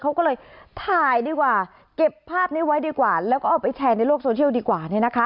เขาก็เลยถ่ายดีกว่าเก็บภาพนี้ไว้ดีกว่าแล้วก็เอาไปแชร์ในโลกโซเชียลดีกว่า